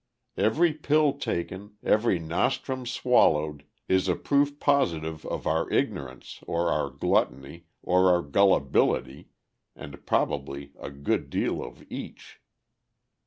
Every pill taken, every nostrum swallowed, is a proof positive of our ignorance, or our gluttony, or our gullibility, and probably a good deal of each.